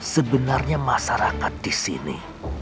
sebenarnya masyarakat di sini